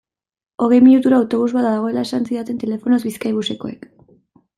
Hogei minutuero autobus bat badagoela esan didaten telefonoz Bizkaibusekoek.